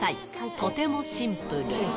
とてもシンプル。